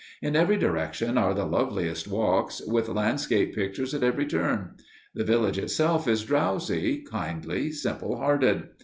In every direction are the loveliest walks, with landscape pictures at every turn. The village itself is drowsy, kindly, simple hearted.